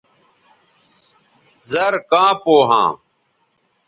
زر کاں پو ھاں